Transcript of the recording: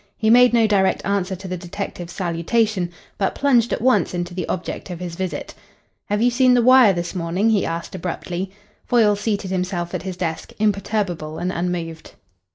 He made no direct answer to the detective's salutation, but plunged at once into the object of his visit. "Have you seen the Wire this morning?" he asked abruptly. Foyle seated himself at his desk, imperturbable and unmoved.